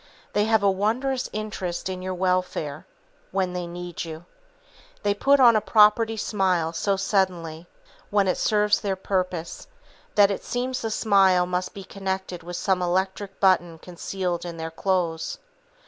They have a wondrous interest in your welfare, when they need you. They put on a "property" smile so suddenly, when it serves their purpose, that it seems the smile must be connected with some electric button concealed in their clothes.